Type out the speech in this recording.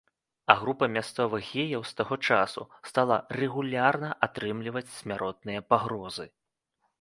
А група мясцовых геяў з таго часу стала рэгулярна атрымліваць смяротныя пагрозы.